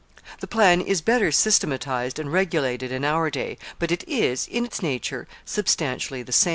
The plan is better systematized and regulated in our day, but it is, in its nature, substantially the same.